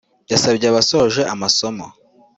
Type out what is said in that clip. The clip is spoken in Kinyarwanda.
yasabye abasoje amasomo